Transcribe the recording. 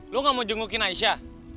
lo gak mau jungukin aisyah